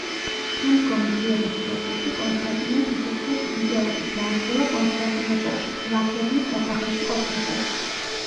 შემდგომი ძიების პროცესში კონსტანტინემ სიცოცხლე თვითმკვლელობით დაასრულა კონსტანტინეპოლში, ვლაქერნის სასახლეში ყოფნისას.